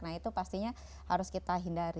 nah itu pastinya harus kita hindari